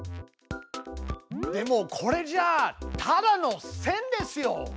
でもこれじゃただの線ですよ！